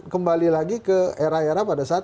kembali lagi ke era era pada saat